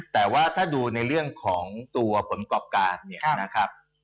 แต่ว่าถ้าดูในเรื่องของตัวผลประกอบการเนี่ยนะครับ